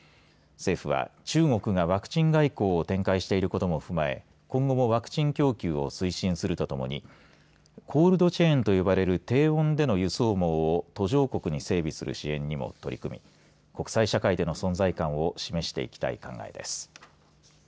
政府は中国がワクチン外交を展開していることを踏まえ今後もワクチン供給を推進するとともにコールドチェーンと呼ばれる低温での輸送網を途上国に整備する支援にも国際社会での存在感も示していきたい考えです。